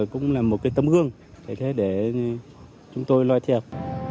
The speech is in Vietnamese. cũng là một cái tấm gương để chúng tôi loại thiệp